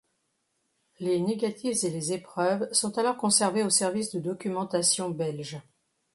Les négatifs et les épreuves sont alors conservés au Service de Documentation belge.